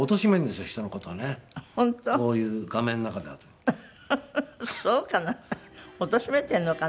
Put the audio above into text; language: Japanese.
そうかな。